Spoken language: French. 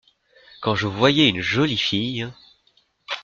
Quand je voyais une jolie fille !…